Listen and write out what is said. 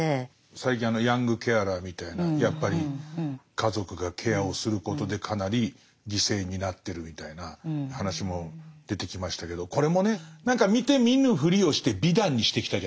最近ヤングケアラーみたいなやっぱり家族がケアをすることでかなり犠牲になってるみたいな話も出てきましたけどこれもね何か見て見ぬふりをして美談にしてきたじゃないですか。